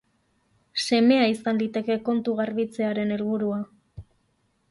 Semea izan liteke kontu-garbitzearen helburua.